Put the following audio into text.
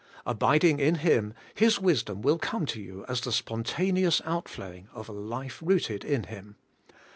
Abiding in Him, His wisdom will come to you as the spontaneous outflowing of a life rooted in Him.